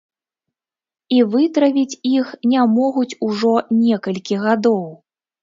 І вытравіць іх не могуць ужо некалькі гадоў.